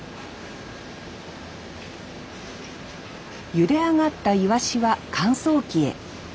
ゆで上がったイワシは乾燥機へ。